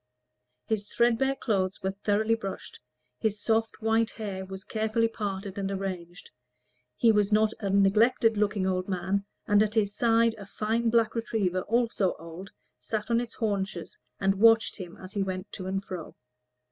His threadbare clothes were thoroughly brushed: his soft white hair was carefully parted and arranged: he was not a neglected looking old man; and at his side a fine black retriever, also old, sat on its haunches, and watched him as he went to and fro.